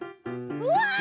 うわ！